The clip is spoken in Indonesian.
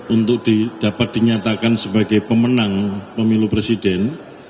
untuk dapat dinyatakan sebagai pemenang pemilu presiden